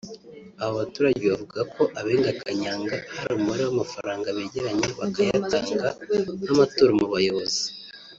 Abo baturage bavuga ko abenga Kanyanga hari umubare w’amafaranga begeranya bakayatanga nk’amaturo mu bayobozi